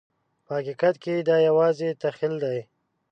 په حقیقت کې دا یوازې تخیل دی.